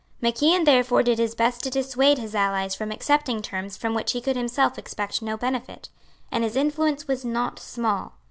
Mac Ian therefore did his best to dissuade his allies from accepting terms from which he could himself expect no benefit; and his influence was not small.